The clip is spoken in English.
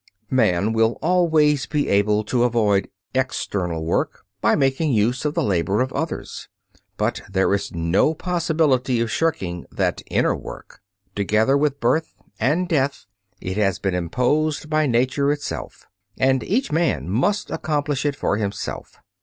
Man will always be able to avoid "external work" by making use of the labor of others, but there is no possibility of shirking that inner work. Together with birth and death it has been imposed by nature itself, and each man must accomplish it for himself.